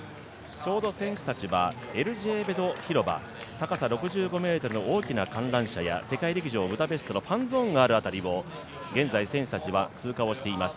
ちょうど選手たちは広場高さ６５ｍの大きな観覧車や世界陸上ブダペストのゾーンがある辺りを、現在選手たちは通過していきます。